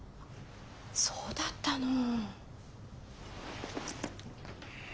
そうだったの。